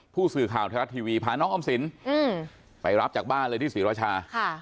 ผู้สื่อข่าวไทยรัฐทีวีพาน้องออมสินไปรับจากบ้านเลยที่ศรีราชา